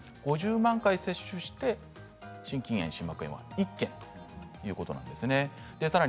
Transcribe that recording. ５０万回接種して心筋炎心膜炎が１件ということです。